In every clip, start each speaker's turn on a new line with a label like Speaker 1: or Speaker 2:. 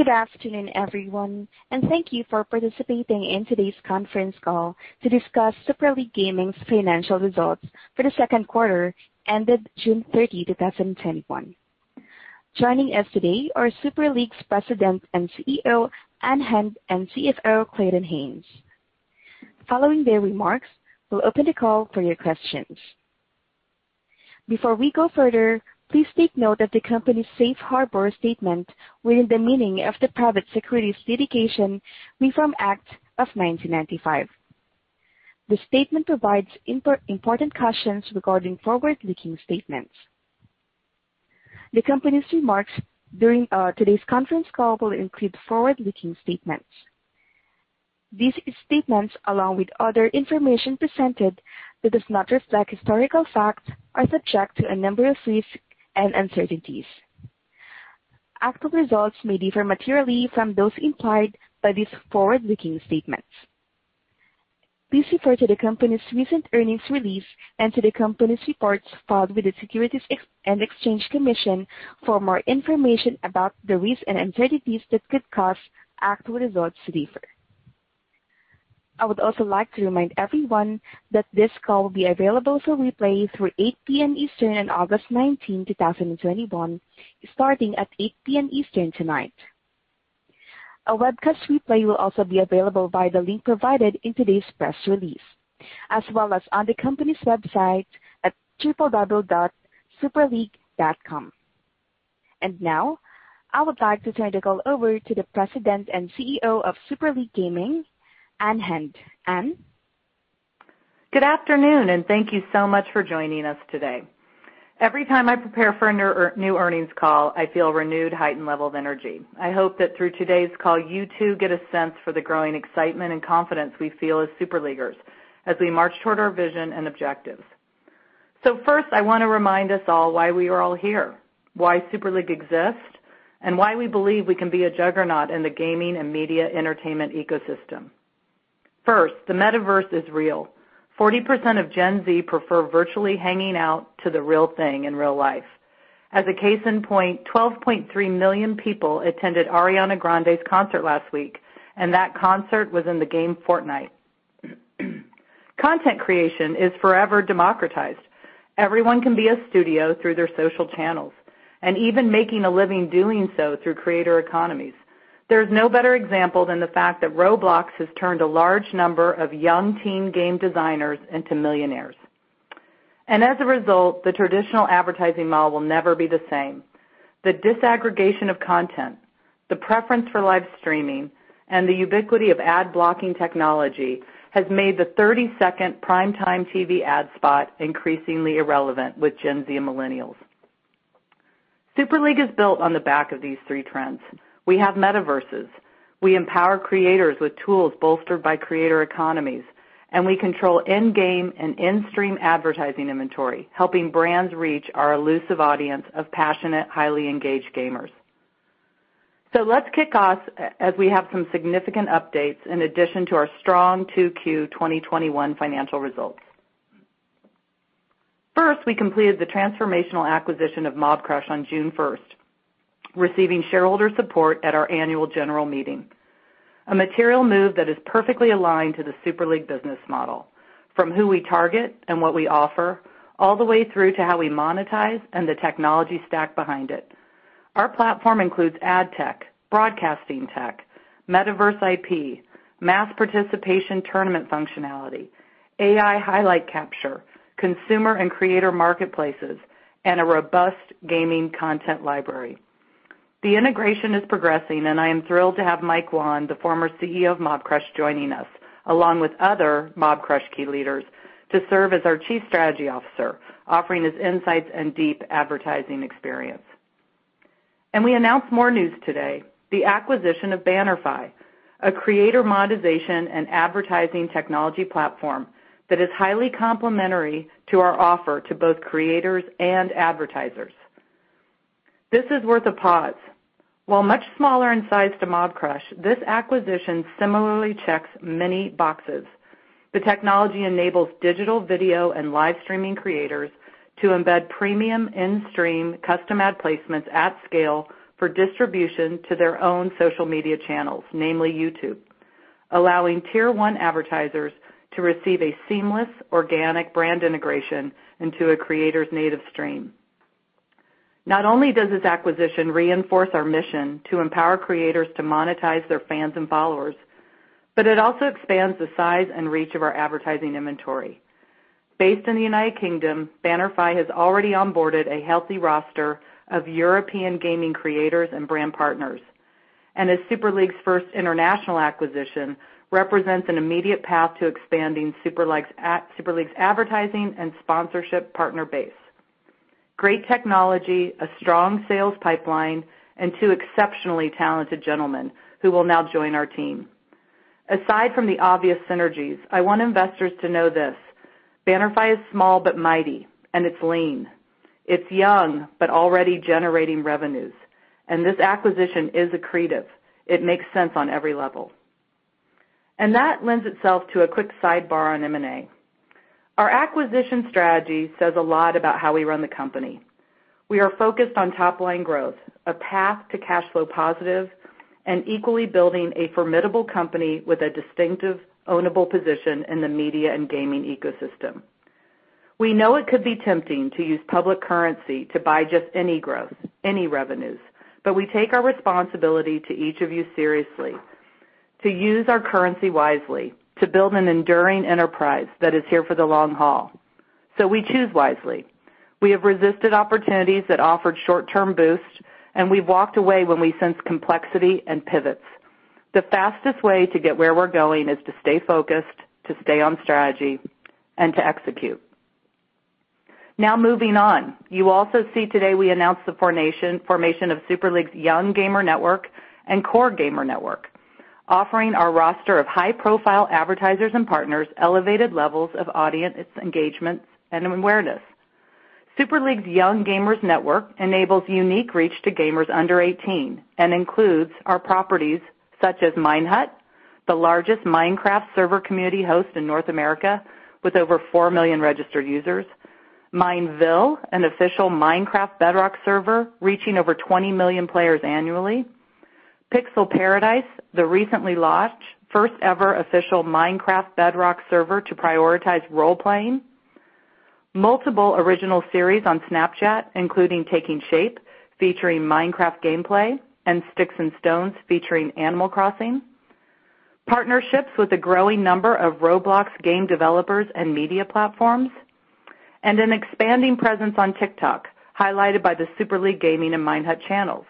Speaker 1: Good afternoon, everyone, and thank you for participating in today's conference call to discuss Super League Gaming's financial results for the second quarter ended June 30, 2021. Joining us today are Super League's President and Chief Executive Officer, Ann Hand, and Chief Financial Officer, Clayton Haynes. Following their remarks, we'll open the call for your questions. Before we go further, please take note of the company's safe harbor statement within the meaning of the Private Securities Litigation Reform Act of 1995. The statement provides important cautions regarding forward-looking statements. The company's remarks during today's conference call will include forward-looking statements. These statements, along with other information presented that does not reflect historical facts, are subject to a number of risks and uncertainties. Actual results may differ materially from those implied by these forward-looking statements. Please refer to the company's recent earnings release and to the company's reports filed with the Securities and Exchange Commission for more information about the risks and uncertainties that could cause actual results to differ. I would also like to remind everyone that this call will be available for replay through 8:00 P.M. Eastern on August 19, 2021, starting at 8:00 P.M. Eastern tonight. A webcast replay will also be available via the link provided in today's press release, as well as on the company's website at www.superleague.com. Now, I would like to turn the call over to the President and Chief Executive Officer of Super League Gaming, Ann Hand. Ann?
Speaker 2: Good afternoon, and thank you so much for joining us today. Every time I prepare for a new earnings call, I feel a renewed heightened level of energy. I hope that through today's call, you too get a sense for the growing excitement and confidence we feel as Super Leaguers as we march toward our vision and objectives. First, I want to remind us all why we are all here, why Super League exists, and why we believe we can be a juggernaut in the gaming and media entertainment ecosystem. First, the Metaverse is real. 40% of Gen Z prefer virtually hanging out to the real thing in real life. As a case in point, 12.3 million people attended Ariana Grande's concert last week, and that concert was in the game Fortnite. Content creation is forever democratized. Everyone can be a studio through their social channels, and even making a living doing so through creator economies. There is no better example than the fact that Roblox has turned a large number of young teen game designers into millionaires. As a result, the traditional advertising model will never be the same. The disaggregation of content, the preference for live streaming, and the ubiquity of ad blocking technology has made the 30-second primetime TV ad spot increasingly irrelevant with Gen Z and millennials. Super League is built on the back of these three trends. We have Metaverses. We empower creators with tools bolstered by creator economies, and we control in-game and in-stream advertising inventory, helping brands reach our elusive audience of passionate, highly engaged gamers. Let's kick off as we have some significant updates in addition to our strong 2Q 2021 financial results. First, we completed the transformational acquisition of Mobcrush on June 1st, receiving shareholder support at our annual general meeting. A material move that is perfectly aligned to the Super League business model, from who we target and what we offer, all the way through to how we monetize and the technology stack behind it. Our platform includes ad tech, broadcasting tech, Metaverse Intellectual Property, mass participation tournament functionality, AI highlight capture, consumer and creator marketplaces, and a robust gaming content library. The integration is progressing, and I am thrilled to have Mike Wann, the former CEO of Mobcrush, joining us, along with other Mobcrush key leaders, to serve as our Chief Strategy Officer, offering his insights and deep advertising experience. We announce more news today, the acquisition of Bannerfy, a creator monetization and advertising technology platform that is highly complementary to our offer to both creators and advertisers. This is worth a pause. While much smaller in size to Mobcrush, this acquisition similarly checks many boxes. The technology enables digital video and live streaming creators to embed premium in-stream custom ad placements at scale for distribution to their own social media channels, namely YouTube, allowing Tier 1 advertisers to receive a seamless, organic brand integration into a creator's native stream. Not only does this acquisition reinforce our mission to empower creators to monetize their fans and followers, but it also expands the size and reach of our advertising inventory. Based in the United Kingdom, Bannerfy has already onboarded a healthy roster of European gaming creators and brand partners. As Super League's first international acquisition, represents an immediate path to expanding Super League's advertising and sponsorship partner base. Great technology, a strong sales pipeline, and two exceptionally talented gentlemen who will now join our team. Aside from the obvious synergies, I want investors to know this: Bannerfy is small but mighty, it's lean. It's young but already generating revenues, this acquisition is accretive. It makes sense on every level. That lends itself to a quick sidebar on Mergers and Acquisitions. Our acquisition strategy says a lot about how we run the company. We are focused on top-line growth, a path to cash flow positive, equally building a formidable company with a distinctive ownable position in the media and gaming ecosystem. We know it could be tempting to use public currency to buy just any growth, any revenues, we take our responsibility to each of you seriously to use our currency wisely, to build an enduring enterprise that is here for the long haul. We choose wisely. We have resisted opportunities that offered short-term boosts, and we've walked away when we sense complexity and pivots. The fastest way to get where we're going is to stay focused, to stay on strategy, and to execute. Now moving on. You also see today we announced the formation of Super League's Young Gamer Network and Core Gamer Network, offering our roster of high-profile advertisers and partners elevated levels of audience engagement and awareness. Super League's Young Gamer Network enables unique reach to gamers under 18 and includes our properties such as Minehut, the largest Minecraft server community host in North America with over 4 million registered users; Mineville, an official Minecraft Bedrock server reaching over 20 million players annually. Pixel Paradise, the recently launched first ever official Minecraft Bedrock server to prioritize role-playing, multiple original series on Snapchat, including Taking Shape, featuring Minecraft gameplay, and Sticks and Stones, featuring Animal Crossing, partnerships with a growing number of Roblox game developers and media platforms, an expanding presence on TikTok, highlighted by the Super League Gaming and Minehut channels.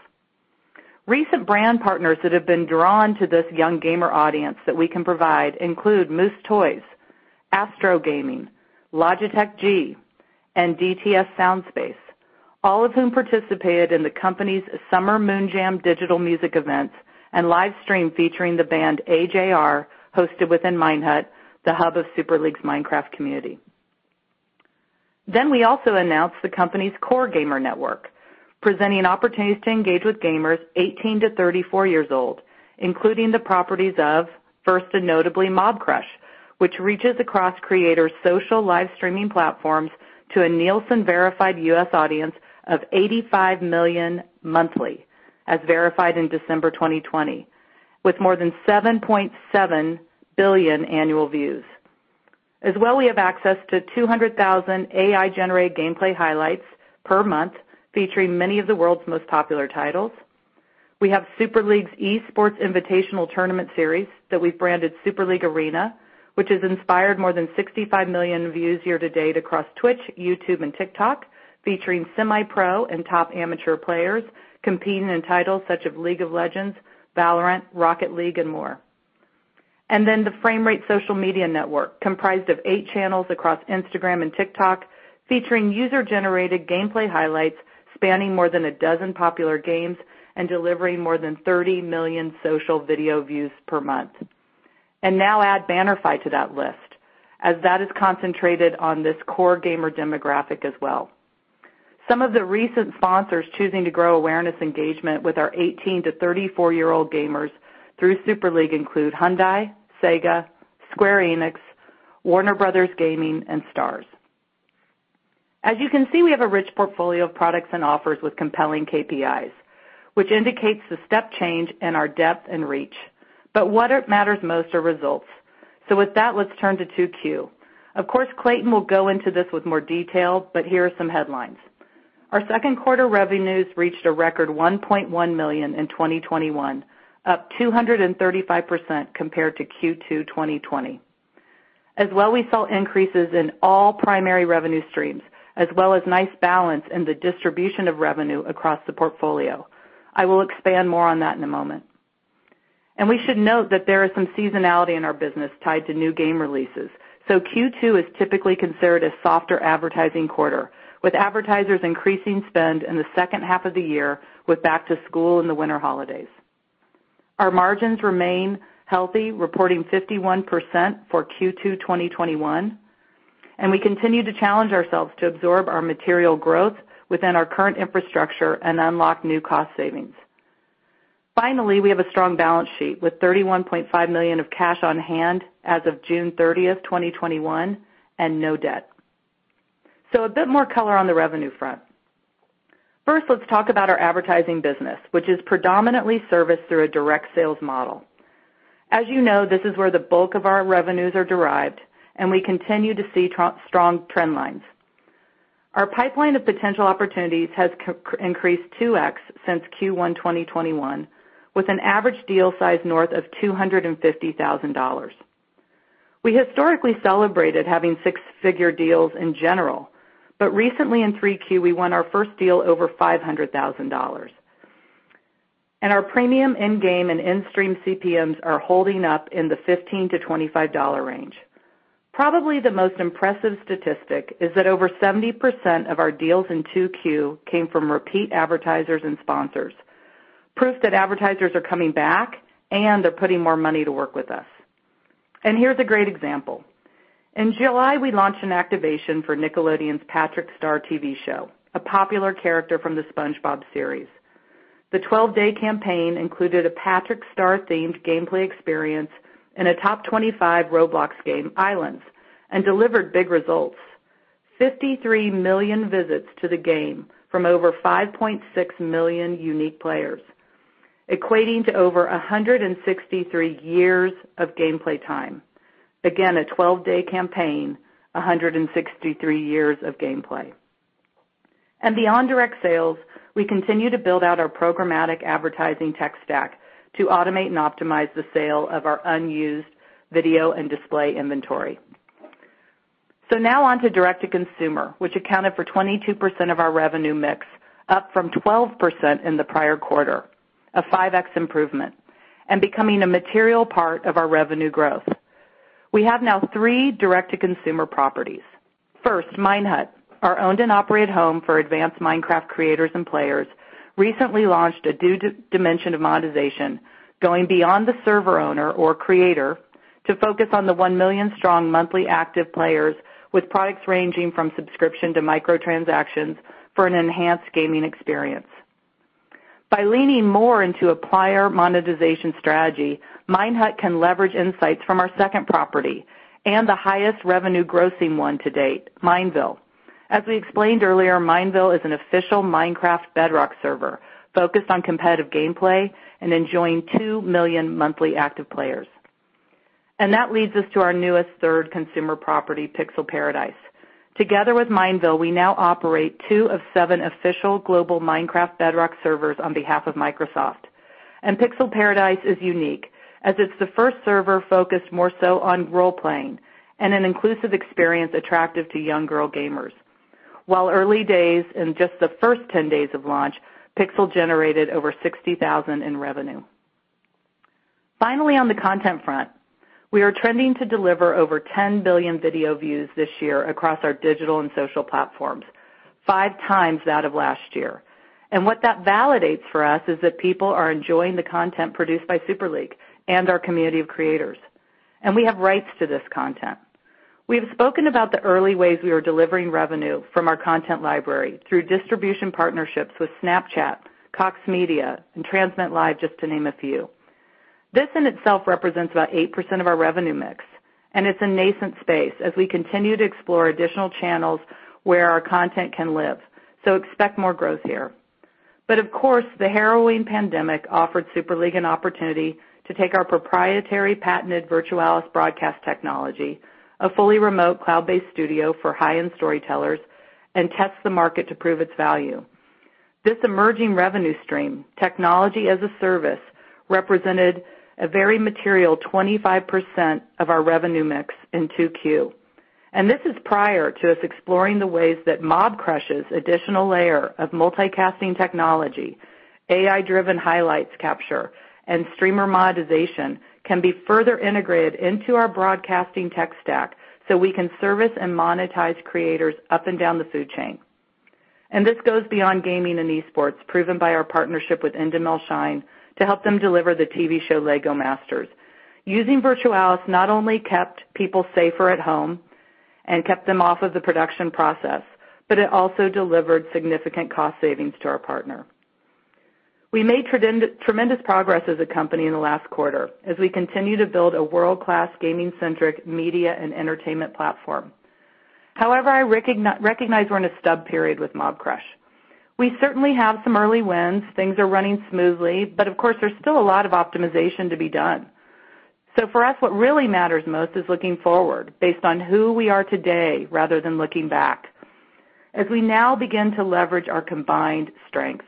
Speaker 2: Recent brand partners that have been drawn to this young gamer audience that we can provide include Moose Toys, ASTRO Gaming, Logitech G, and DTS Sound Unbound, all of whom participated in the company's Full Moon Jam digital music events and live stream featuring the band AJR, hosted within Minehut, the hub of Super League's Minecraft community. We also announced the company's Core Gamer Network, presenting opportunities to engage with gamers 18-34 years old, including the properties of, first and notably, Mobcrush, which reaches across creators' social live streaming platforms to a Nielsen-verified U.S. audience of 85 million monthly as verified in December 2020, with more than 7.7 billion annual views. As well, we have access to 200,000 AI-generated gameplay highlights per month featuring many of the world's most popular titles. We have Super League's Esports Invitational tournament series that we've branded Super League Arena, which has inspired more than 65 million views year-to-date across Twitch, YouTube, and TikTok, featuring semi-pro and top amateur players competing in titles such as League of Legends, Valorant, Rocket League, and more. The Framerate social media network, comprised of 8 channels across Instagram and TikTok, featuring user-generated gameplay highlights spanning more than a dozen popular games and delivering more than 30 million social video views per month. Now add Bannerfy to that list, as that is concentrated on this core gamer demographic as well. Some of the recent sponsors choosing to grow awareness engagement with our 18-34 year-old gamers through Super League include Hyundai, Sega, SQUARE ENIX, Warner Bros. Games, and Starz. As you can see, we have a rich portfolio of products and offers with compelling Key Performance Indicators, which indicates the step change in our depth and reach. What matters most are results. With that, let's turn to 2Q. Of course, Clayton will go into this with more detail, but here are some headlines. Our second quarter revenues reached a record $1.1 million in 2021, up 235% compared to Q2 2020. As well, we saw increases in all primary revenue streams, as well as nice balance in the distribution of revenue across the portfolio. I will expand more on that in a moment. We should note that there is some seasonality in our business tied to new game releases, so Q2 is typically considered a softer advertising quarter, with advertisers increasing spend in the second half of the year with back to school and the winter holidays. Our margins remain healthy, reporting 51% for Q2 2021, and we continue to challenge ourselves to absorb our material growth within our current infrastructure and unlock new cost savings. We have a strong balance sheet with $31.5 million of cash on hand as of June 30th, 2021, and no debt. A bit more color on the revenue front. First, let's talk about our advertising business, which is predominantly serviced through a direct sales model. As you know, this is where the bulk of our revenues are derived, and we continue to see strong trend lines. Our pipeline of potential opportunities has increased 2x since Q1 2021, with an average deal size north of $250,000. We historically celebrated having six-figure deals in general, but recently in 3Q, we won our first deal over $500,000. Our premium in-game and in-stream Cost Per Mille are holding up in the $15-$25 range. Probably the most impressive statistic is that over 70% of our deals in 2Q came from repeat advertisers and sponsors. Proof that advertisers are coming back and they're putting more money to work with us. Here's a great example. In July, we launched an activation for Nickelodeon's The Patrick Star Show, a popular character from the SpongeBob SquarePants series. The 12-day campaign included a Patrick Star-themed gameplay experience in a top 25 Roblox game, Islands, and delivered big results, 53 million visits to the game from over 5.6 million unique players, equating to over 163 years of gameplay time. Again, a 12-day campaign, 163 years of gameplay. Beyond direct sales, we continue to build out our programmatic advertising tech stack to automate and optimize the sale of our unused video and display inventory. Now on to Direct-to-Consumer, which accounted for 22% of our revenue mix, up from 12% in the prior quarter, a 5X improvement, and becoming a material part of our revenue growth. We have now three direct-to-consumer properties. First, Minehut, our owned and operated home for advanced Minecraft creators and players, recently launched a new dimension of monetization, going beyond the server owner or creator to focus on the 1 million-strong monthly active players with products ranging from subscription to micro-transactions for an enhanced gaming experience. By leaning more into a prior monetization strategy, Minehut can leverage insights from our second property and the highest revenue-grossing one to date, Mineville. As we explained earlier, Mineville is an official Minecraft Bedrock server focused on competitive gameplay and enjoying 2 million monthly active players. That leads us to our newest third consumer property, Pixel Paradise. Together with two of seven official global Minecraft Bedrock servers on behalf of Microsoft. Pixel Paradise is unique, as it's the first server focused more so on role-playing and an inclusive experience attractive to young girl gamers. While early days, in just the first 10 days of launch, Pixel generated over $60,000 in revenue. Finally, on the content front, we are trending to deliver over 10 billion video views this year across our digital and social platforms, 5x that of last year. What that validates for us is that people are enjoying the content produced by Super League and our community of creators. We have rights to this content. We have spoken about the early ways we are delivering revenue from our content library through distribution partnerships with Snapchat, Cox Media, and Transmit.Live, just to name a few. This in itself represents about 8% of our revenue mix, it's a nascent space as we continue to explore additional channels where our content can live. Expect more growth here. Of course, the harrowing pandemic offered Super League an opportunity to take our proprietary patented Virtualis broadcast technology, a fully remote cloud-based studio for high-end storytellers, and test the market to prove its value. This emerging revenue stream, technology as a service, represented a very material 25% of our revenue mix in 2Q. This is prior to us exploring the ways that Mobcrush's additional layer of multicasting technology, AI-driven highlights capture, and streamer monetization can be further integrated into our broadcasting tech stack so we can service and monetize creators up and down the food chain. This goes beyond gaming and esports, proven by our partnership with Endemol Shine to help them deliver the TV show "Lego Masters." Using Virtualis not only kept people safer at home and kept them off of the production process, but it also delivered significant cost savings to our partner. We made tremendous progress as a company in the last quarter as we continue to build a world-class gaming-centric media and entertainment platform. However, I recognize we're in a stub period with Mobcrush. We certainly have some early wins. Things are running smoothly, but of course, there's still a lot of optimization to be done. For us, what really matters most is looking forward based on who we are today rather than looking back, as we now begin to leverage our combined strengths.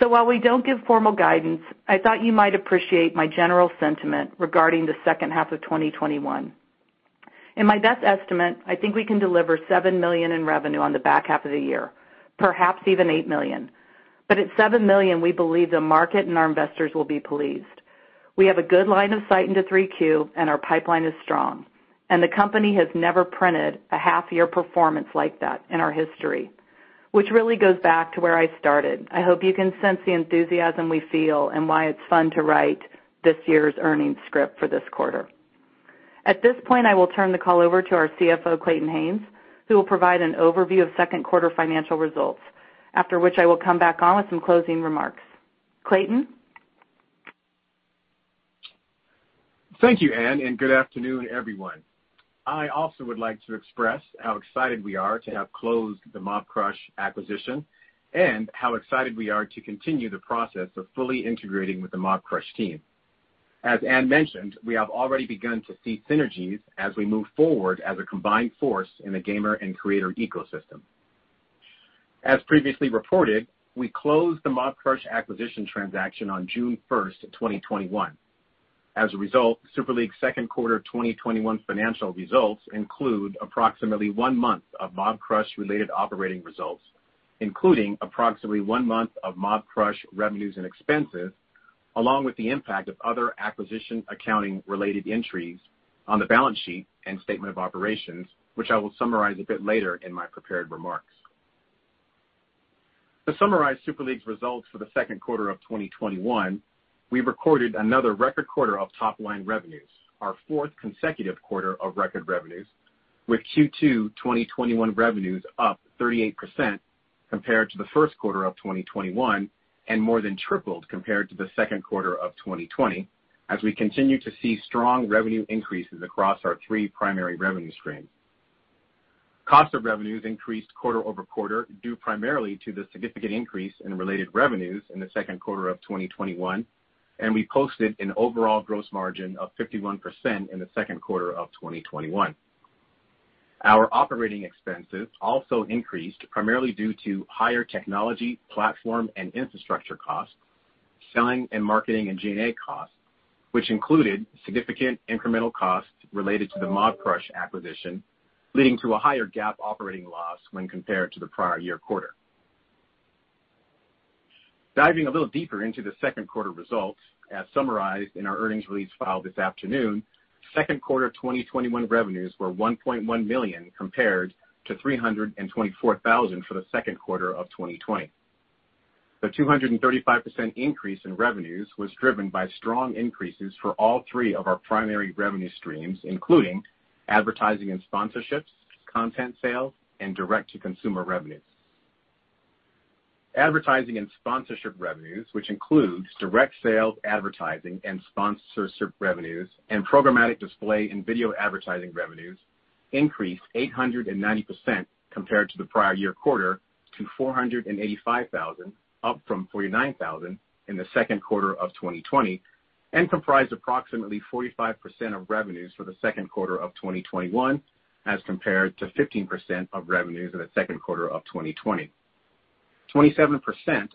Speaker 2: While we don't give formal guidance, I thought you might appreciate my general sentiment regarding the second half of 2021. In my best estimate, I think we can deliver $7 million in revenue on the back half of the year, perhaps even $8 million. At $7 million, we believe the market and our investors will be pleased. We have a good line of sight into 3Q and our pipeline is strong, and the company has never printed a half-year performance like that in our history, which really goes back to where I started. I hope you can sense the enthusiasm we feel and why it's fun to write this year's earnings script for this quarter. At this point, I will turn the call over to our CFO, Clayton Haynes, who will provide an overview of second quarter financial results. After which I will come back on with some closing remarks. Clayton?
Speaker 3: Thank you, Ann, and good afternoon, everyone. I also would like to express how excited we are to have closed the Mobcrush acquisition and how excited we are to continue the process of fully integrating with the Mobcrush team. As Ann mentioned, we have already begun to see synergies as we move forward as a combined force in the gamer and creator ecosystem. As previously reported, we closed the Mobcrush acquisition transaction on June 1st, 2021. As a result, Super League's second quarter 2021 financial results include approximately one month of Mobcrush-related operating results, including approximately one month of Mobcrush revenues and expenses, along with the impact of other acquisition accounting-related entries on the balance sheet and statement of operations, which I will summarize a bit later in my prepared remarks. To summarize Super League's results for the second quarter of 2021, we recorded another record quarter of top-line revenues, our fourth consecutive quarter of record revenues, with Q2 2021 revenues up 38% compared to the first quarter of 2021, and more than tripled compared to the second quarter of 2020, as we continue to see strong revenue increases across our three primary revenue streams. Cost of revenues increased quarter-over-quarter, due primarily to the significant increase in related revenues in the second quarter of 2021, and we posted an overall gross margin of 51% in the second quarter of 2021. Our operating expenses also increased primarily due to higher technology, platform, and infrastructure costs, selling and marketing and General and Administrative costs, which included significant incremental costs related to the Mobcrush acquisition, leading to a higher GAAP operating loss when compared to the prior year quarter. Diving a little deeper into the second quarter results, as summarized in our earnings release filed this afternoon, second quarter 2021 revenues were $1.1 million compared to $324,000 for the second quarter of 2020. The 235% increase in revenues was driven by strong increases for all three of our primary revenue streams, including advertising and sponsorships, content sales, and direct-to-consumer revenues. Advertising and sponsorship revenues, which includes direct sales, advertising, and sponsorship revenues, and programmatic display in video advertising revenues, increased 890% compared to the prior year quarter to $485,000, up from $49,000 in the second quarter of 2020, and comprised approximately 45% of revenues for the second quarter of 2021 as compared to 15% of revenues in the second quarter of 2020. 27%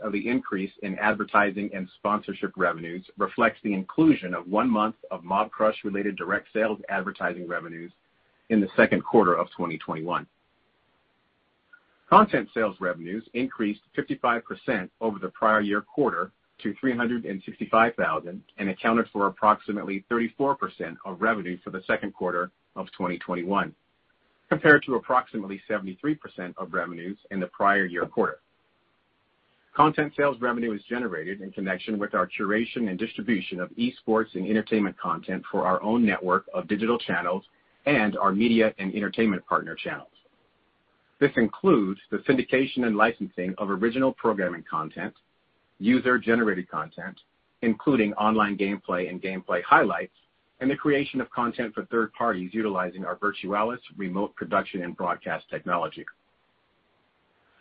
Speaker 3: of the increase in advertising and sponsorship revenues reflects the inclusion of one month of Mobcrush-related direct sales advertising revenues in the second quarter of 2021. Content sales revenues increased 55% over the prior year quarter to $365,000, and accounted for approximately 34% of revenue for the second quarter of 2021, compared to approximately 73% of revenues in the prior year quarter. Content sales revenue is generated in connection with our curation and distribution of esports and entertainment content for our own network of digital channels and our media and entertainment partner channels. This includes the syndication and licensing of original programming content, user-generated content, including online gameplay and gameplay highlights, and the creation of content for third parties utilizing our Virtualis remote production and broadcast technology.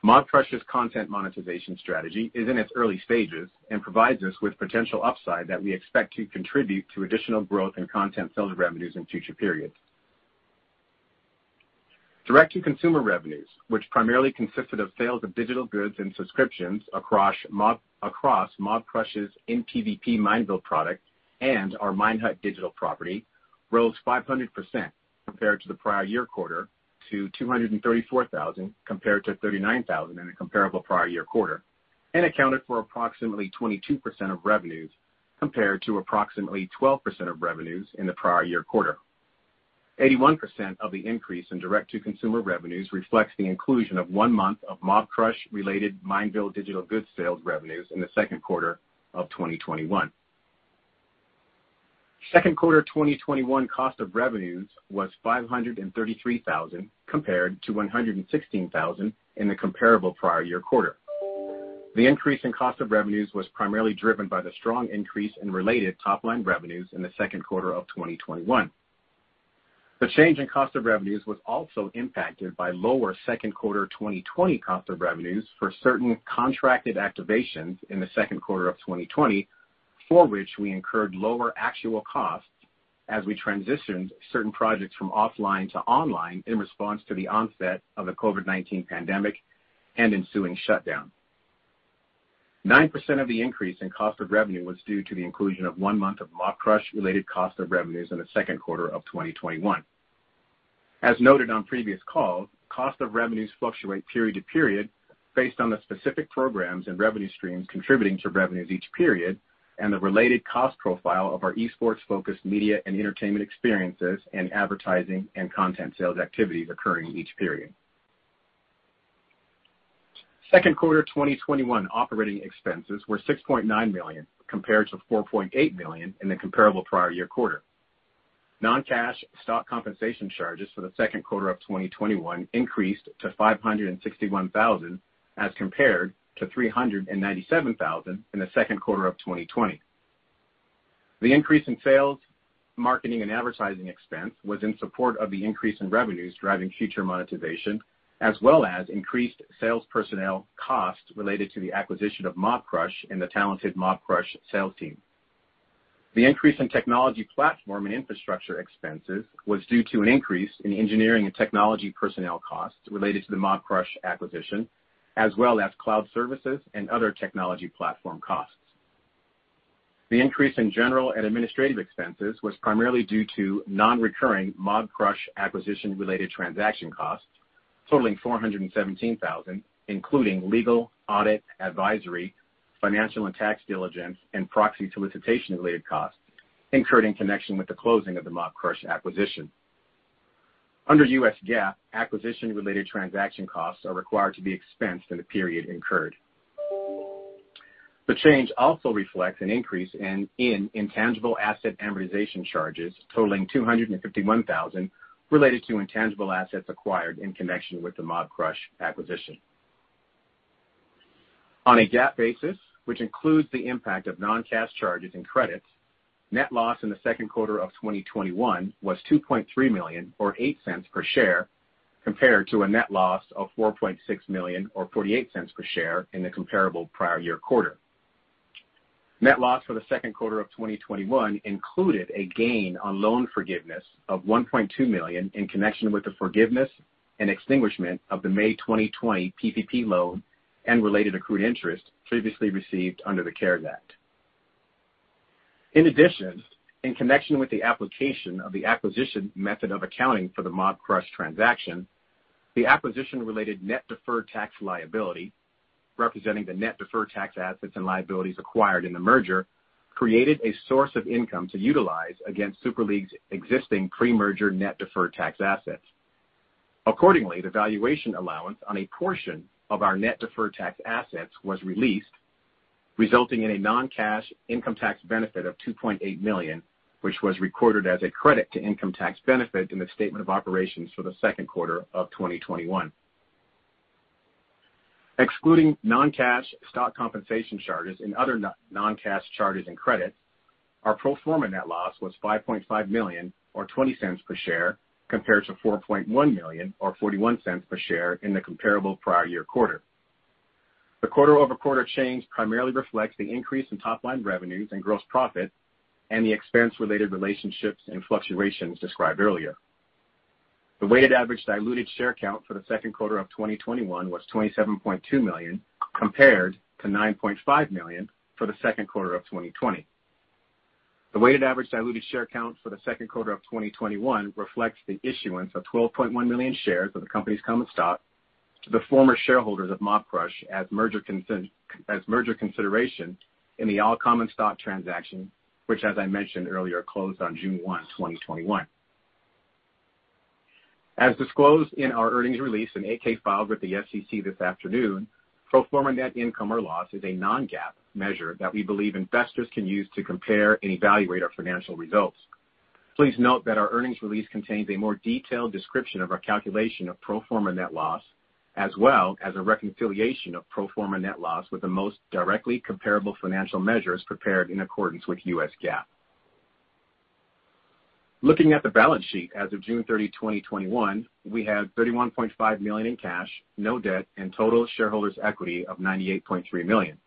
Speaker 3: Mobcrush's content monetization strategy is in its early stages and provides us with potential upside that we expect to contribute to additional growth in content sales revenues in future periods. Direct-to-Consumer revenues, which primarily consisted of sales of digital goods and subscriptions across Mobcrush's InPvP Mineville product and our Minehut digital property, rose 500% compared to the prior year quarter to $234,000 compared to $39,000 in the comparable prior year quarter, and accounted for approximately 22% of revenues, compared to approximately 12% of revenues in the prior year quarter. 81% of the increase in Direct-to-Consumer revenues reflects the inclusion of one month of Mobcrush-related Mineville digital goods sales revenues in the second quarter of 2021. Second quarter 2021 cost of revenues was $533,000 compared to $116,000 in the comparable prior year quarter. The increase in cost of revenues was primarily driven by the strong increase in related top-line revenues in the second quarter of 2021. The change in cost of revenues was also impacted by lower second quarter 2020 cost of revenues for certain contracted activations in the second quarter of 2020, for which we incurred lower actual costs as we transitioned certain projects from offline to online in response to the onset of the COVID-19 pandemic and ensuing shutdown. 9% of the increase in cost of revenue was due to the inclusion of one month of Mobcrush-related cost of revenues in the second quarter of 2021. As noted on previous calls, cost of revenues fluctuate period to period based on the specific programs and revenue streams contributing to revenues each period and the related cost profile of our esports-focused media and entertainment experiences and advertising and content sales activities occurring each period. Second quarter 2021 operating expenses were $6.9 million compared to $4.8 million in the comparable prior year quarter. Non-cash stock compensation charges for the second quarter of 2021 increased to $561,000 as compared to $397,000 in the second quarter of 2020. The increase in sales, marketing, and advertising expense was in support of the increase in revenues driving future monetization, as well as increased sales personnel costs related to the acquisition of Mobcrush and the talented Mobcrush sales team. The increase in technology platform and infrastructure expenses was due to an increase in engineering and technology personnel costs related to the Mobcrush acquisition, as well as cloud services and other technology platform costs. The increase in general and administrative expenses was primarily due to non-recurring Mobcrush acquisition-related transaction costs totaling $417,000, including legal, audit, advisory, financial and tax diligence, and proxy solicitation-related costs incurred in connection with the closing of the Mobcrush acquisition. Under U.S. GAAP, acquisition-related transaction costs are required to be expensed in the period incurred. The change also reflects an increase in intangible asset amortization charges totaling $251,000 related to intangible assets acquired in connection with the Mobcrush acquisition. On a GAAP basis, which includes the impact of non-cash charges and credits, net loss in the second quarter of 2021 was $2.3 million, or $0.08 per share, compared to a net loss of $4.6 million or $0.48 per share in the comparable prior year quarter. Net loss for the second quarter of 2021 included a gain on loan forgiveness of $1.2 million in connection with the forgiveness and extinguishment of the May 2020 Paycheck Protection Program loan and related accrued interest previously received under the Coronavirus Aid, Relief, and Economic Security Act. In connection with the application of the acquisition method of accounting for the Mobcrush transaction, the acquisition-related net deferred tax liability, representing the net deferred tax assets and liabilities acquired in the merger, created a source of income to utilize against Super League's existing pre-merger net deferred tax assets. The valuation allowance on a portion of our net deferred tax assets was released, resulting in a non-cash income tax benefit of $2.8 million, which was recorded as a credit to income tax benefit in the statement of operations for the second quarter of 2021. Excluding non-cash stock compensation charges and other non-cash charges and credits, our pro forma net loss was $5.5 million or $0.20 per share, compared to $4.1 million or $0.41 per share in the comparable prior year quarter. The quarter-over-quarter change primarily reflects the increase in top-line revenues and gross profit and the expense-related relationships and fluctuations described earlier. The weighted average diluted share count for the second quarter of 2021 was $27.2 million, compared to $9.5 million for the second quarter of 2020. The weighted average diluted share count for the second quarter of 2021 reflects the issuance of $12.1 million shares of the company's common stock to the former shareholders of Mobcrush as merger consideration in the all common stock transaction, which, as I mentioned earlier, closed on June 1, 2021. As disclosed in our earnings release and 8-K filed with the Securities and Exchange Commission this afternoon, pro forma net income or loss is a non-GAAP measure that we believe investors can use to compare and evaluate our financial results. Please note that our earnings release contains a more detailed description of our calculation of pro forma net loss, as well as a reconciliation of pro forma net loss with the most directly comparable financial measures prepared in accordance with US GAAP. Looking at the balance sheet as of June 30, 2021, we had $31.5 million in cash, no debt, and total shareholders' equity of $98.3 million.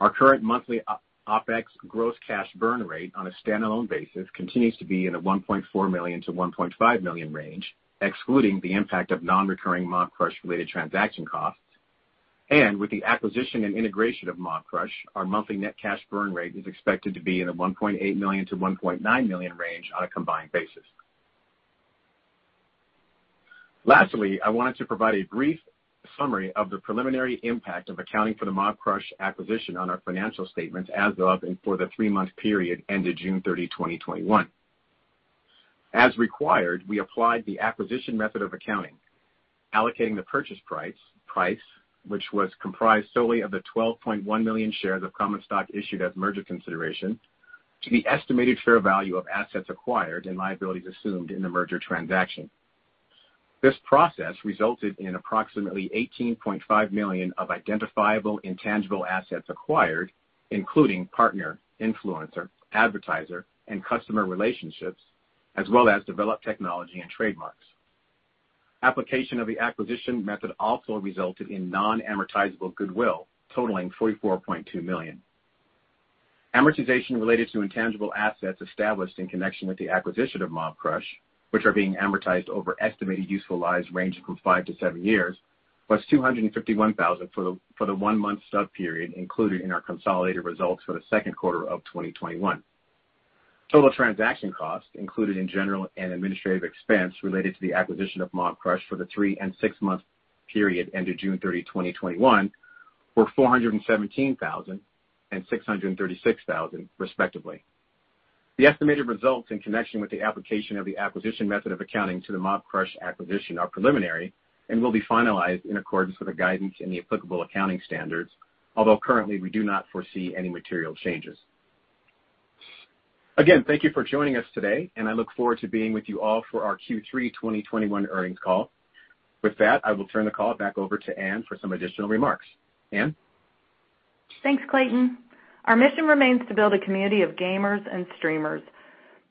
Speaker 3: Our current monthly OpEx gross cash burn rate on a standalone basis continues to be in the $1.4 million-$1.5 million range, excluding the impact of non-recurring Mobcrush-related transaction costs. With the acquisition and integration of Mobcrush, our monthly net cash burn rate is expected to be in the $1.8 million-$1.9 million range on a combined basis. Lastly, I wanted to provide a brief summary of the preliminary impact of accounting for the Mobcrush acquisition on our financial statements as of and for the three-month period ended June 30, 2021. As required, we applied the acquisition method of accounting, allocating the purchase price, which was comprised solely of the 12.1 million shares of common stock issued as merger consideration, to the estimated fair value of assets acquired and liabilities assumed in the merger transaction. This process resulted in approximately $18.5 million of identifiable intangible assets acquired, including partner, influencer, advertiser, and customer relationships, as well as developed technology and trademarks. Application of the acquisition method also resulted in non-amortizable goodwill totaling $44.2 million. Amortization related to intangible assets established in connection with the acquisition of Mobcrush, which are being amortized over estimated useful lives ranging from five to seven years, was $251,000 for the one-month sub-period included in our consolidated results for the second quarter of 2021. Total transaction costs included in general and administrative expense related to the acquisition of Mobcrush for the three and six-month period ended June 30, 2021, were $417,000 and $636,000 respectively. The estimated results in connection with the application of the acquisition method of accounting to the Mobcrush acquisition are preliminary and will be finalized in accordance with the guidance and the applicable accounting standards, although currently we do not foresee any material changes. Thank you for joining us today, and I look forward to being with you all for our Q3 2021 earnings call. With that, I will turn the call back over to Ann for some additional remarks. Ann?
Speaker 2: Thanks, Clayton. Our mission remains to build a community of gamers and streamers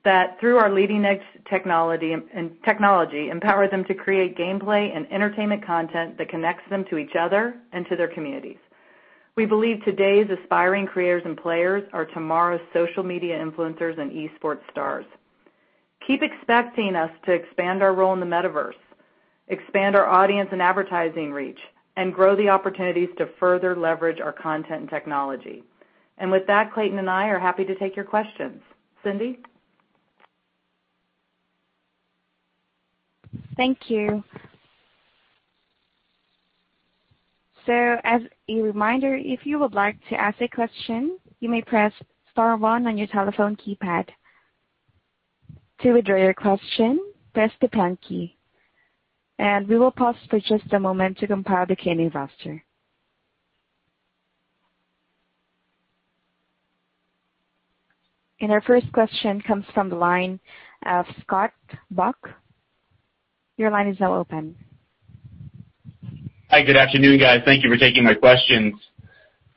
Speaker 2: that through our leading-edge technology empower them to create gameplay and entertainment content that connects them to each other and to their communities. We believe today's aspiring creators and players are tomorrow's social media influencers and esports stars. Keep expecting us to expand our role in the metaverse, expand our audience and advertising reach, and grow the opportunities to further leverage our content and technology. With that, Clayton and I are happy to take your questions. Cindy?
Speaker 1: Thank you. As a reminder, if you would like to ask a question, you may press star one on your telephone keypad. To withdraw your question, press the pound key. We will pause for just a moment to compile the Q&A roster. Our first question comes from the line of Scott Buck. Your line is now open.
Speaker 4: Hi, good afternoon, guys. Thank you for taking my questions.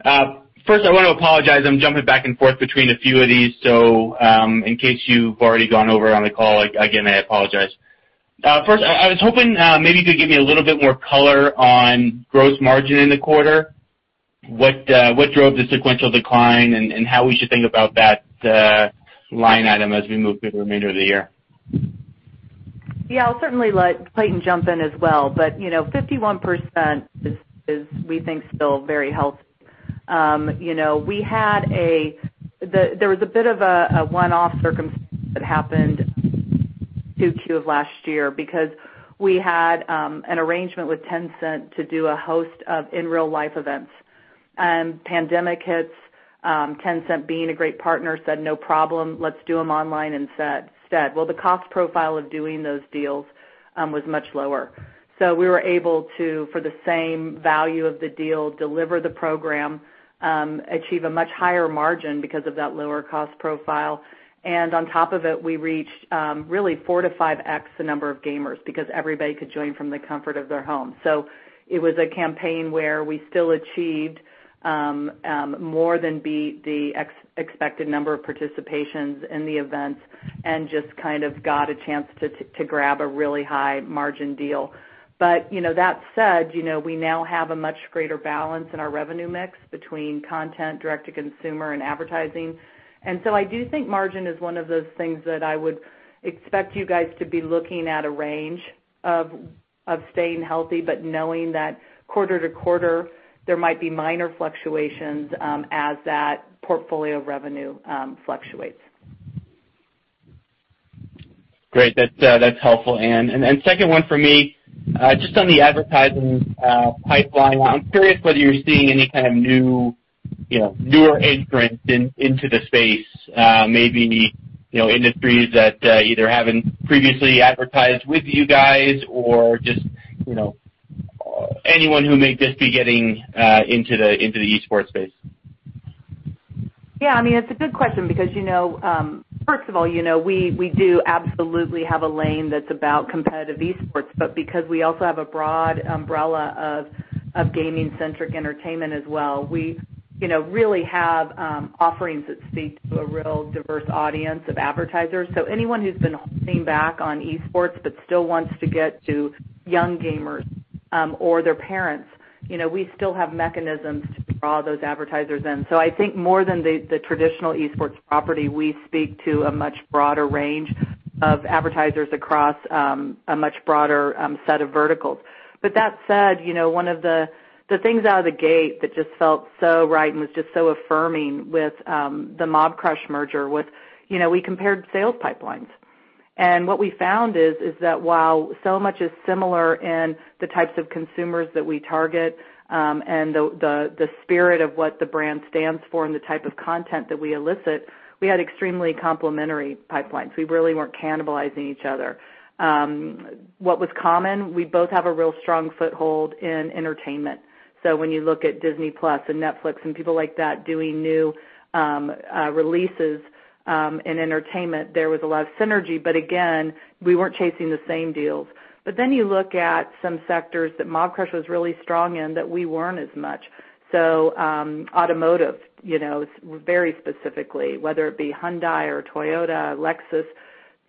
Speaker 4: First I want to apologize, I'm jumping back and forth between a few of these, so, in case you've already gone over on the call, again, I apologize. First, I was hoping maybe you could give me a little bit more color on gross margin in the quarter. What drove the sequential decline and how we should think about that line item as we move through the remainder of the year?
Speaker 2: Yeah. I'll certainly let Clayton jump in as well, 51% is, we think, still very healthy. There was a bit of a one-off circumstance that happened 2Q of last year because we had an arrangement with Tencent to do a host of in-real-life events. Pandemic hits, Tencent being a great partner, said, "No problem. Let's do them online instead." Well, the cost profile of doing those deals was much lower. We were able to, for the same value of the deal, deliver the program, achieve a much higher margin because of that lower cost profile, and on top of it, we reached really 4x-5x the number of gamers because everybody could join from the comfort of their home. It was a campaign where we still achieved more than beat the expected number of participations in the events and just kind of got a chance to grab a really high-margin deal. That said, we now have a much greater balance in our revenue mix between content direct to consumer and advertising. I do think margin is one of those things that I would expect you guys to be looking at a range of staying healthy, but knowing that quarter to quarter, there might be minor fluctuations, as that portfolio revenue fluctuates.
Speaker 4: Great. That's helpful, Ann. Second one for me, just on the advertising pipeline. I'm curious whether you're seeing any kind of newer entrants into the space. Maybe industries that either haven't previously advertised with you guys or just anyone who may just be getting into the esports space.
Speaker 2: It's a good question because first of all, we do absolutely have a lane that's about competitive esports, but because we also have a broad umbrella of gaming-centric entertainment as well, we really have offerings that speak to a real diverse audience of advertisers. Anyone who's been holding back on esports but still wants to get to young gamers, or their parents, we still have mechanisms to draw those advertisers in. I think more than the traditional esports property, we speak to a much broader range of advertisers across a much broader set of verticals. That said, one of the things out of the gate that just felt so right and was just so affirming with the Mobcrush merger was we compared sales pipelines. What we found is that while so much is similar in the types of consumers that we target, and the spirit of what the brand stands for and the type of content that we elicit, we had extremely complementary pipelines. We really weren't cannibalizing each other. What was common, we both have a real strong foothold in entertainment. When you look at Disney+ and Netflix and people like that doing new releases in entertainment, there was a lot of synergy, but again, we weren't chasing the same deals. You look at some sectors that Mobcrush was really strong in that we weren't as much. Automotive, very specifically, whether it be Hyundai or Toyota, Lexus,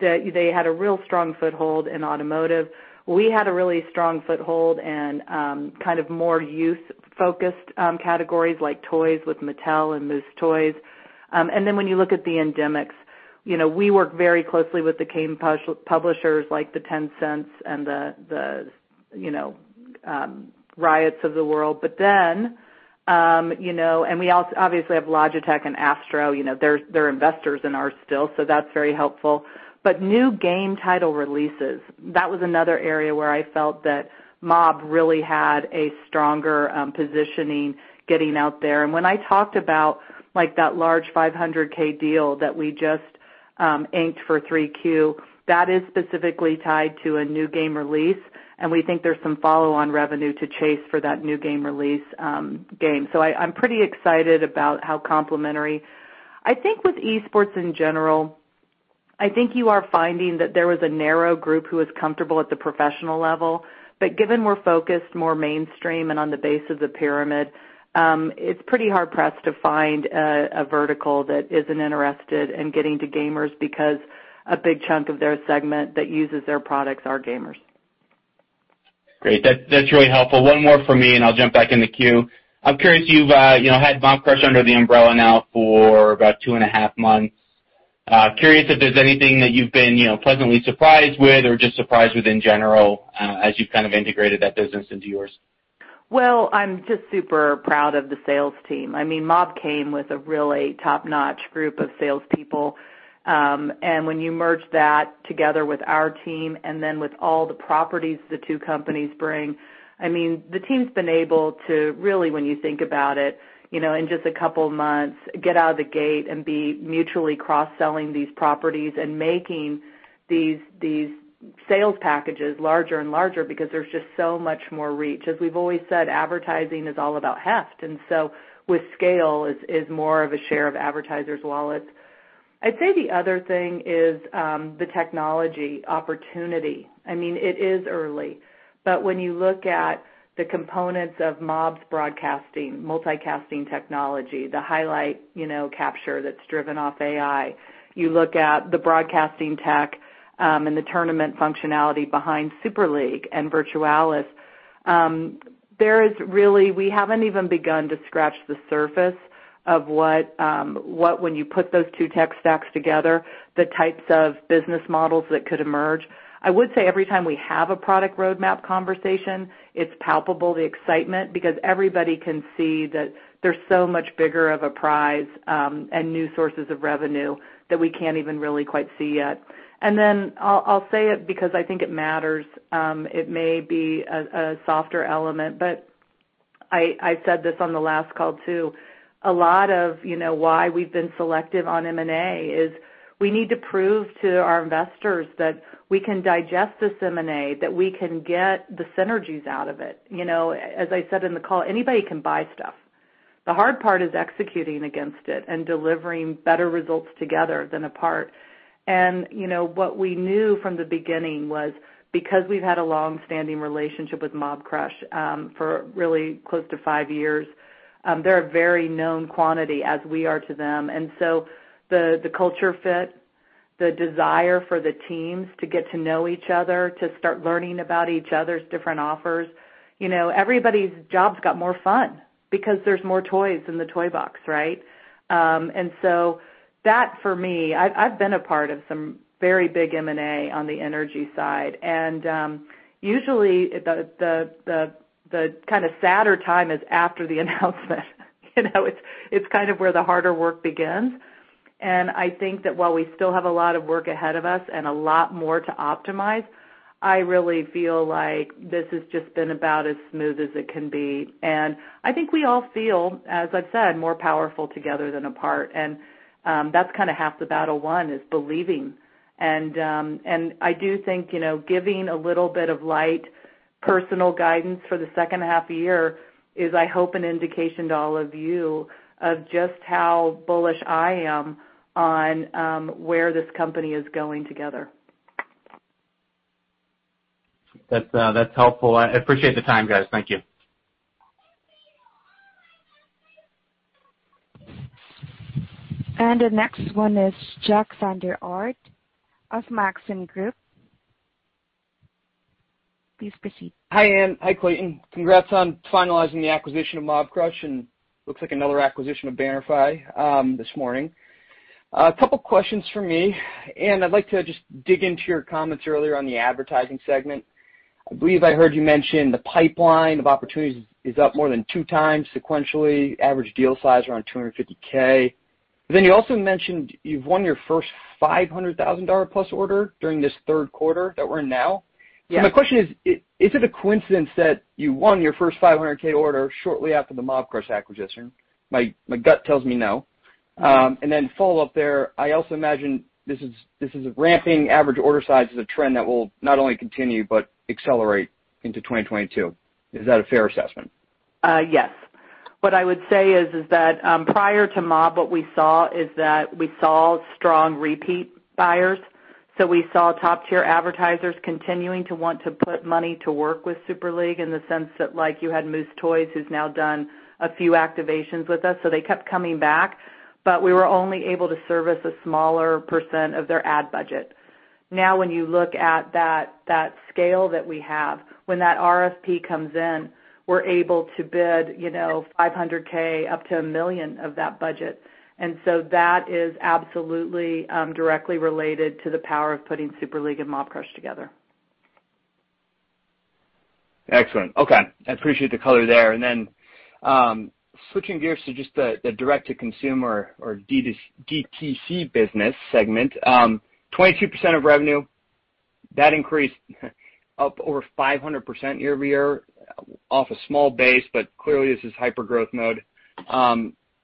Speaker 2: they had a real strong foothold in automotive. We had a really strong foothold in kind of more youth-focused categories like toys with Mattel and Moose Toys. When you look at the endemics, we work very closely with the game publishers like the Tencents and the Riots of the world. We also obviously have Logitech and Astro, they're investors in ours still, so that's very helpful. New game title releases, that was another area where I felt that Mob really had a stronger positioning getting out there. When I talked about that large $500,000 deal that we just inked for 3Q, that is specifically tied to a new game release, and we think there's some follow-on revenue to chase for that new game release game. I'm pretty excited about how complementary. I think with esports in general, I think you are finding that there was a narrow group who was comfortable at the professional level. Given we're focused more mainstream and on the base of the pyramid, it's pretty hard-pressed to find a vertical that isn't interested in getting to gamers because a big chunk of their segment that uses their products are gamers.
Speaker 4: Great. That's really helpful. One more for me, and I'll jump back in the queue. I'm curious, you've had Mobcrush under the umbrella now for about 2.5 months. Curious if there's anything that you've been pleasantly surprised with or just surprised with in general as you've kind of integrated that business into yours?
Speaker 2: Well, I'm just super proud of the sales team. When you merge that together with our team and then with all the properties the two companies bring, the team's been able to really, when you think about it, in just a couple of months, get out of the gate and be mutually cross-selling these properties and making these sales packages larger and larger because there's just so much more reach. As we've always said, advertising is all about heft. With scale is more of a share of advertisers' wallets. I'd say the other thing is the technology opportunity. When you look at the components of Mob's broadcasting, multicasting technology, the highlight capture that's driven off AI. You look at the broadcasting tech and the tournament functionality behind Super League and Virtualis. We haven't even begun to scratch the surface of what, when you put those two tech stacks together, the types of business models that could emerge. I would say every time we have a product roadmap conversation, it's palpable, the excitement, because everybody can see that there's so much bigger of a prize, and new sources of revenue that we can't even really quite see yet. Then I'll say it because I think it matters. It may be a softer element, but I said this on the last call, too. A lot of why we've been selective on M&A is we need to prove to our investors that we can digest this M&A, that we can get the synergies out of it. As I said in the call, anybody can buy stuff. The hard part is executing against it and delivering better results together than apart. What we knew from the beginning was because we've had a long-standing relationship with Mobcrush, for really close to five years, they're a very known quantity as we are to them. The culture fit, the desire for the teams to get to know each other, to start learning about each other's different offers. Everybody's job's got more fun because there's more toys in the toy box, right? That for me, I've been a part of some very big M&A on the energy side, and usually the kind of sadder time is after the announcement. It's kind of where the harder work begins. I think that while we still have a lot of work ahead of us and a lot more to optimize, I really feel like this has just been about as smooth as it can be. I think we all feel, as I've said, more powerful together than apart. That's kind of half the battle won, is believing. I do think giving a little bit of light personal guidance for the second half of the year is, I hope, an indication to all of you of just how bullish I am on where this company is going together.
Speaker 4: That's helpful. I appreciate the time, guys. Thank you.
Speaker 1: The next one is Jack Vander Aarde of Maxim Group. Please proceed.
Speaker 5: Hi, Ann. Hi, Clayton. Congrats on finalizing the acquisition of Mobcrush, and looks like another acquisition of Bannerfy this morning. A couple questions from me, Ann, I'd like to just dig into your comments earlier on the advertising segment. I believe I heard you mention the pipeline of opportunities is up more than 2x sequentially, average deal size around $250,000. You also mentioned you've won your first $500,000+ order during this 3rd quarter that we're in now.
Speaker 2: Yes.
Speaker 5: My question is it a coincidence that you won your first $500,000 order shortly after the Mobcrush acquisition? My gut tells me no. Follow-up there, I also imagine this is a ramping average order size is a trend that will not only continue but accelerate into 2022. Is that a fair assessment?
Speaker 2: Yes. What I would say is that prior to Mobcrush, what we saw is that we saw strong repeat buyers. We saw top-tier advertisers continuing to want to put money to work with Super League in the sense that, like you had Moose Toys, who's now done a few activations with us, so they kept coming back, but we were only able to service a smaller % of their ad budget. Now, when you look at that scale that we have, when that Request for Proposal comes in, we're able to bid $500,000 up to $1 million of that budget. That is absolutely directly related to the power of putting Super League and Mobcrush together.
Speaker 5: Excellent. Okay. I appreciate the color there. Switching gears to just the Direct-to-Consumer or DTC business segment. 22% of revenue, that increased up over 500% year-over-year off a small base, but clearly this is hyper-growth mode.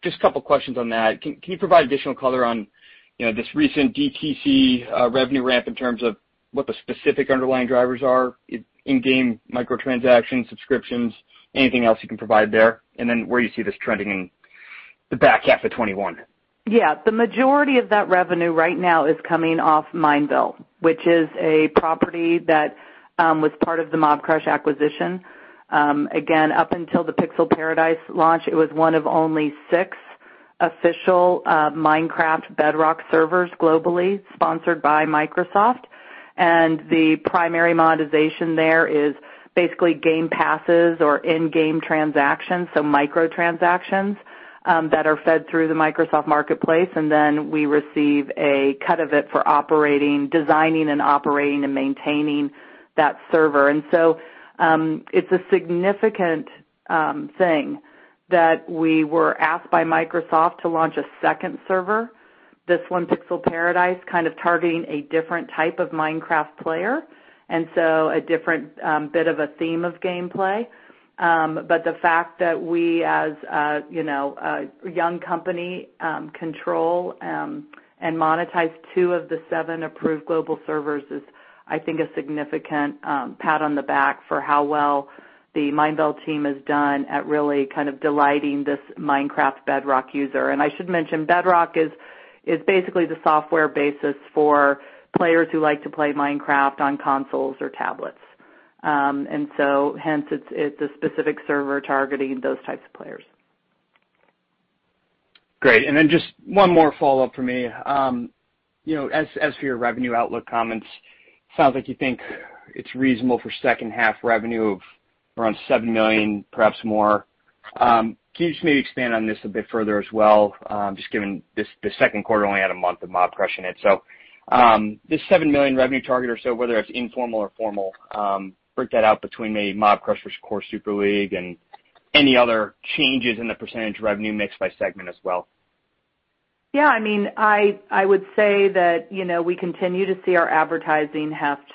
Speaker 5: Just a couple questions on that. Can you provide additional color on this recent DTC revenue ramp in terms of what the specific underlying drivers are in game micro-transactions, subscriptions, anything else you can provide there, and then where you see this trending in the back half of 2021?
Speaker 2: The majority of that revenue right now is coming off Mineville, which is a property that was part of the Mobcrush acquisition. Again, up until the Pixel Paradise launch, it was one of only six official Minecraft Bedrock servers globally sponsored by Microsoft. The primary monetization there is basically game passes or in-game transactions, so micro-transactions that are fed through the Microsoft marketplace, and then we receive a cut of it for designing and operating and maintaining that server. It's a significant thing that we were asked by Microsoft to launch a second server. This one, Pixel Paradise, kind of targeting a different type of Minecraft player, and so a different bit of a theme of gameplay. The fact that we, as a young company, control and monetize two of the seven approved global servers is, I think, a significant pat on the back for how well the Mineville team has done at really kind of delighting this Minecraft Bedrock user. I should mention, Bedrock is basically the software basis for players who like to play Minecraft on consoles or tablets. Hence it's a specific server targeting those types of players.
Speaker 5: Great. Then just one more follow-up for me. As for your revenue outlook comments, sounds like you think it's reasonable for second half revenue of around $7 million, perhaps more. Can you just maybe expand on this a bit further as well, just given the second quarter only had a month of Mobcrush in it. This $7 million revenue target or so, whether it's informal or formal, break that out between maybe Mobcrush versus Core Super League and any other changes in the percent revenue mix by segment as well.
Speaker 2: Yeah. I would say that we continue to see our advertising heft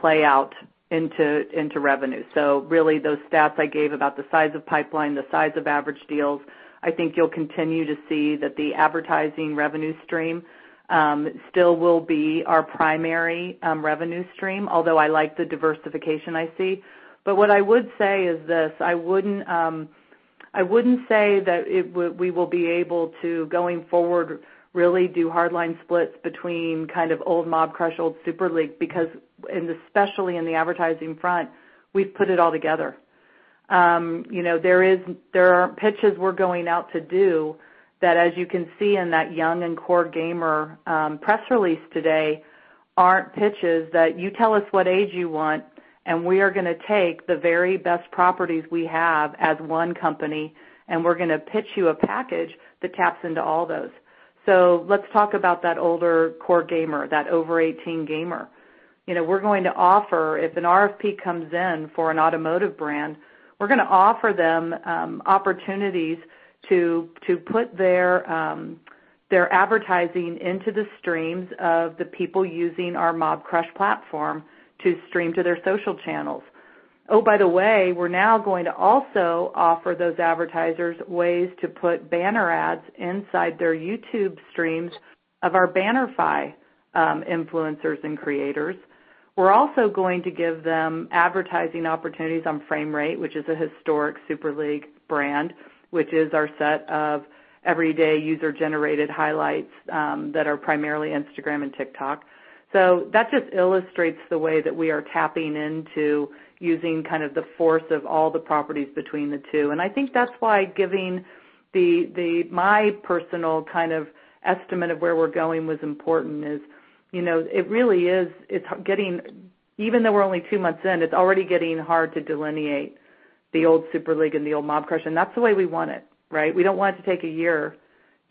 Speaker 2: play out into revenue. Really, those stats I gave about the size of pipeline, the size of average deals, I think you'll continue to see that the advertising revenue stream still will be our primary revenue stream, although I like the diversification I see. What I would say is this, I wouldn't say that we will be able to, going forward, really do hard line splits between kind of old Mobcrush, old Super League because, and especially in the advertising front, we've put it all together. There are pitches we're going out to do that, as you can see in that young and core gamer press release today, aren't pitches that you tell us what age you want. We are going to take the very best properties we have as one company. We're going to pitch you a package that taps into all those. Let's talk about that older core gamer, that over 18 gamer. If an RFP comes in for an automotive brand, we're going to offer them opportunities to put their advertising into the streams of the people using our Mobcrush platform to stream to their social channels. By the way, we're now going to also offer those advertisers ways to put banner ads inside their YouTube streams of our Bannerfy influencers and creators. We're also going to give them advertising opportunities on Framerate, which is a historic Super League brand, which is our set of everyday user-generated highlights that are primarily Instagram and TikTok. That just illustrates the way that we are tapping into using kind of the force of all the properties between the two. I think that's why giving my personal kind of estimate of where we're going was important is, even though we're only two months in, it's already getting hard to delineate the old Super League and the old Mobcrush. That's the way we want it, right? We don't want it to take one year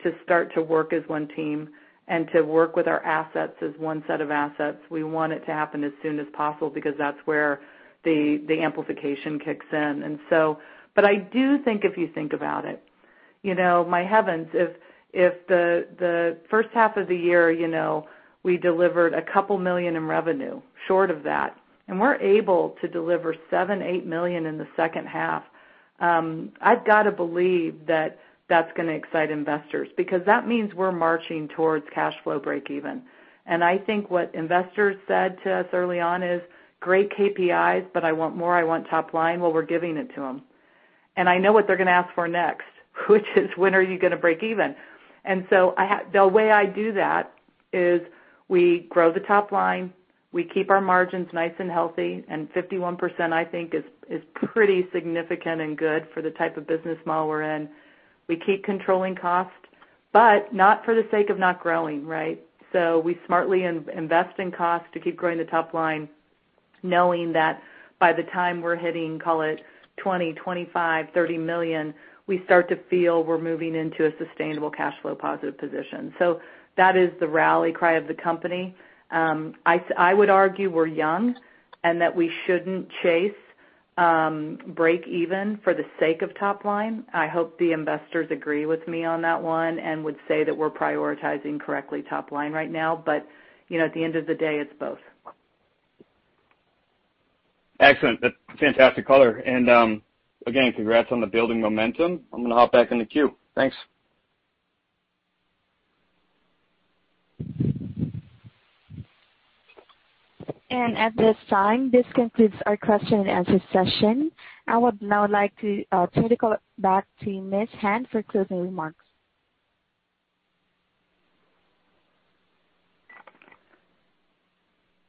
Speaker 2: to start to work as one team and to work with our assets as one set of assets. We want it to happen as soon as possible because that's where the amplification kicks in. I do think if you think about it, my heavens, if the first half of the year we delivered a couple million in revenue, short of that, and we're able to deliver $7 million-$8 million in the second half, I've got to believe that that's going to excite investors because that means we're marching towards cash flow break even. I think what investors said to us early on is, "Great KPIs, but I want more. I want top line." Well, we're giving it to them. I know what they're going to ask for next, which is, when are you going to break even? The way I do that is we grow the top line. We keep our margins nice and healthy, and 51%, I think is pretty significant and good for the type of business model we're in. We keep controlling cost, but not for the sake of not growing, right? We smartly invest in cost to keep growing the top line, knowing that by the time we're hitting, call it $20 million, $25 million, $30 million, we start to feel we're moving into a sustainable cash flow positive position. That is the rally cry of the company. I would argue we're young and that we shouldn't chase break even for the sake of top line. I hope the investors agree with me on that one and would say that we're prioritizing correctly top line right now. At the end of the day, it's both.
Speaker 5: Excellent. That's fantastic color. Again, congrats on the building momentum. I'm going to hop back in the queue. Thanks.
Speaker 1: At this time, this concludes our question and answer session. I would now like to turn the call back to Ms. Hand for closing remarks.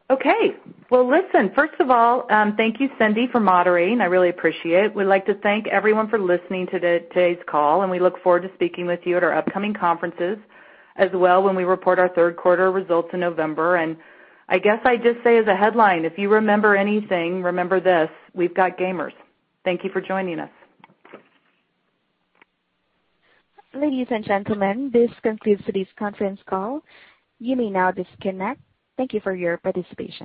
Speaker 2: Okay. Well, listen, first of all, thank you, Cindy, for moderating. I really appreciate it. We'd like to thank everyone for listening to today's call, and we look forward to speaking with you at our upcoming conferences as well when we report our third quarter results in November. I guess I'd just say as a headline, if you remember anything, remember this, we've got gamers. Thank you for joining us.
Speaker 1: Ladies and gentlemen, this concludes today's conference call. You may now disconnect. Thank you for your participation.